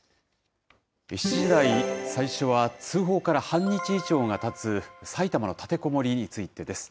７時台、最初は通報から半日以上がたつさいたまの立てこもりについてです。